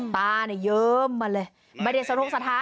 ตาเนี่ยเยิ้มมาเลยมาเรียนสนุกสถานน่ะ